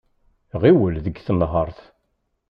Ɣiwel deg tenhaṛt.